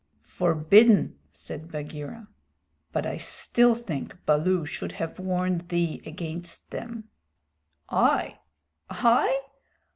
"Forbidden," said Bagheera, "but I still think Baloo should have warned thee against them." "I I?